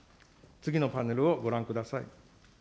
次のパネルをご覧ください。